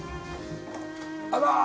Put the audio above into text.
あら！